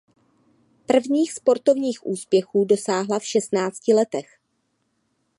Prvních sportovních úspěchů dosáhla v šestnácti letech.